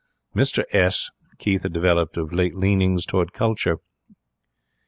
Mrs Keith had developed of late leanings towards culture.